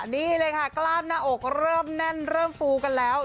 นี่เลยค่ะกล้ามหน้าอกเริ่มแน่นเริ่มฟูกันแล้ว